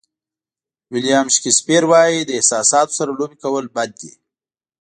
ویلیام شکسپیر وایي له احساساتو سره لوبې کول بد دي.